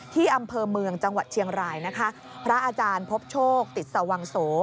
ที่อำเภอเมืองจังหวัดเชียงรายนะคะพระอาจารย์พบโชคติดสวังโส